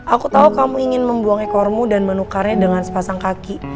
aku tahu kamu ingin membuang ekormu dan menukarnya dengan sepasang kaki